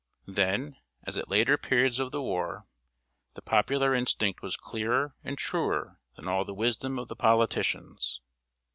Then, as at later periods of the war, the popular instinct was clearer and truer than all the wisdom of the politicians.